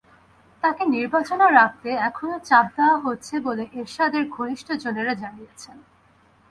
তাঁকে নির্বাচনে রাখতে এখনো চাপ দেওয়া হচ্ছে বলে এরশাদের ঘনিষ্ঠজনেরা জানিয়েছেন।